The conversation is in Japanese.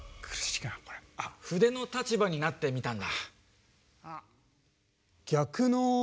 かみの立場になってみたんだ。